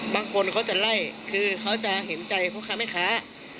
บางคนเขาจะไล่คือเขาจะเห็นใจพ่อค้าแม่ค้า